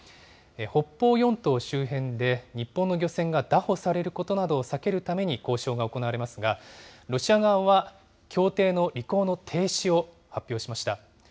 北方四島の周辺で日本の漁船が拿捕されることなどを避けるために交渉が行われますが、ロシア側は協定の履行の停止を発表しました。